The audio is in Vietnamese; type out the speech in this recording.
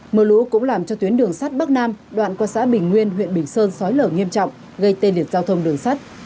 mưa lũ cũng làm cho tuyến đường sắt bắc nam đoạn qua xã bình nguyên huyện bình sơn xói lở nghiêm trọng gây tên liệt giao thông đường sắt